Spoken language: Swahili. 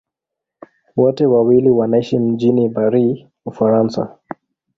Wote wawili wanaishi mjini Paris, Ufaransa.